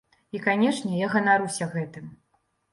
І, канешне, я ганаруся гэтым.